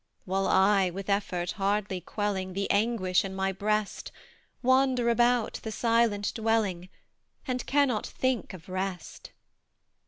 While I, with effort hardly quelling The anguish in my breast, Wander about the silent dwelling, And cannot think of rest.